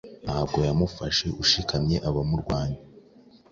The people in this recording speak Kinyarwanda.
Ntabwo yamufashe ushikamyeabamurwanya